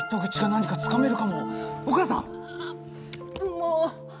もう！